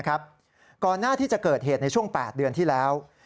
ก่อนหน้าที่จะเกิดเหตุในช่วง๘เดือนที่แล้ว